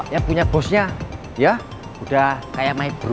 yang punya bosnya ya udah kayak my bro